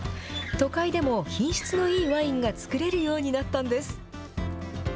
都会でも、品質のいいワインが造れるようになったんです。